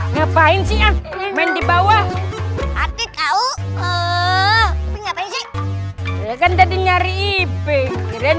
ngapain sih an main di bawah hati kau ngapain sih kan tadi nyari ipeng keren